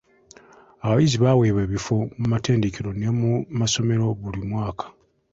Abayizi baaweebwa ebifo mu matendekero ne mu masomero buli mwaka.